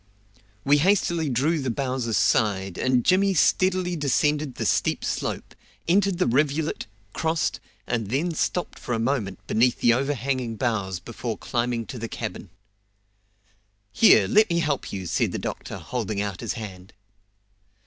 We hastily drew the boughs aside, and Jimmy steadily descended the steep slope, entered the rivulet, crossed, and then stopped for a moment beneath the overhanging boughs before climbing to the cabin. "Here, let me help you!" said the doctor, holding out his hand.